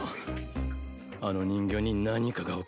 あの人形に何かが起こっている